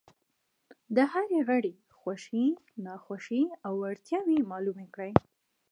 د هر غړي خوښې، ناخوښې او وړتیاوې معلومې کړئ.